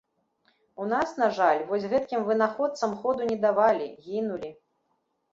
У нас, на жаль, вось гэткім вынаходцам ходу не давалі, гінулі.